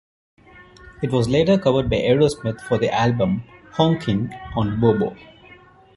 It was later covered by Aerosmith for the album "Honkin' on Bobo".